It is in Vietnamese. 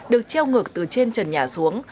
được treo ngược từ trên trần nhà xuống